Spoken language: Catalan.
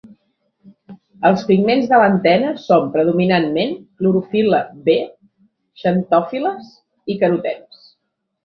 Els pigments de l'antena són predominantment clorofil·la "b", xantofil·les i carotens.